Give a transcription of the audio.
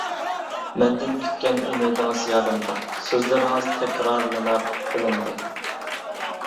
مەندىن كۈتكەن ئۈمىدىڭىز يادىمدا، سۆزلىرىڭىز تەكرارلىنار تىلىمدا.